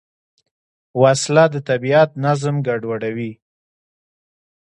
وسله د طبیعت نظم ګډوډوي